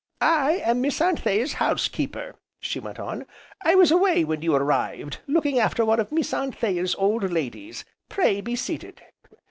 "I am Miss Anthea's house keeper," she went on, "I was away when you arrived, looking after one of Miss Anthea's old ladies, pray be seated.